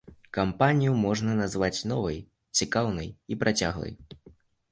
Кампанію можна назваць новай, цікаўнай, і працяглай.